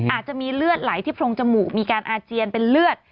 อาจจะมีเลือดไหลที่โรงจมูกมีการอาเจียนเป็นเลือด